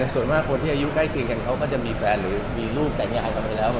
ส่วนมากคนที่อายุใกล้เคียงกันเขาก็จะมีแฟนหรือมีลูกแต่งงานไปแล้ว